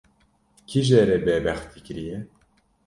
Kî jê re bêbextî kiriye